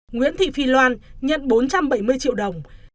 nguyễn thị phi loan nhận bốn trăm bảy mươi triệu đồng